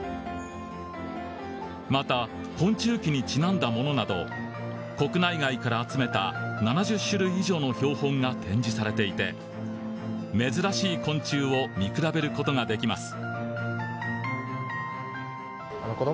また「昆虫記」にちなんだものなど国内外から集めた７０種類以上の標本が展示されていて珍しい昆虫を見比べることができます。